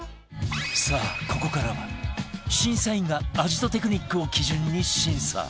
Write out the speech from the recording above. さあここからは審査員が味とテクニックを基準に審査